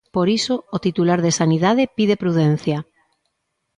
Por iso, o titular de Sanidade pide prudencia.